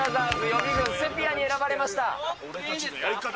予備軍セピアに選ばれました。